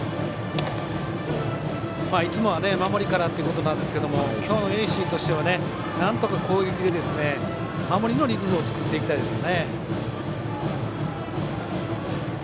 いつもは守りからということですが今日の盈進としてはなんとか攻撃で守りのリズムを作っていきたいです。